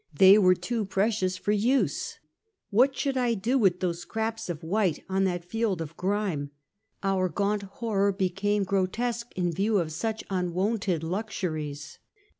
They were too precious for use. "What should I do with those scraps of wliite on that field of grime? Our gaunt horror became grotesque, in view of such unwonted luxuries.